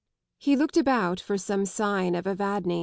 He looked about for some sign of Evadne.